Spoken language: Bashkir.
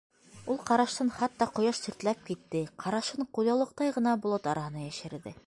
Ул ҡараштан хатта ҡояш тертләп китте, ҡарашын ҡулъяулыҡтай ғына болот араһына йәшерҙе.